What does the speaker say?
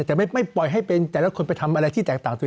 แต่ไม่ปล่อยให้เป็นแต่ละคนไปทำอะไรที่แตกต่าง